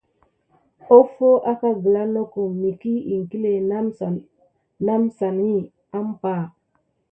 Offo akà gula nakum miki iŋklé nasane kiza wukayam anba.